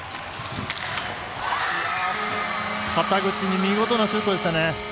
肩口に見事なシュートでしたね。